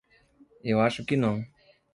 Eu acho que não.